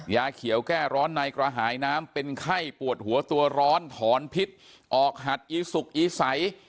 ยาเขียวแก้ร้อนในกระหายน้ำเป็นไข้ปวดหัวตัวร้อนถอนพิษออกหัดอีสุกอีใส